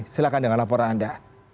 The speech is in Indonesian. silahkan dengan laporan anda